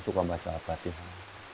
suka baca al fatihah